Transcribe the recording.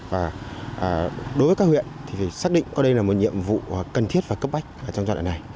và đối với các huyện thì xác định có đây là một nhiệm vụ cần thiết và cấp bách trong trò đại này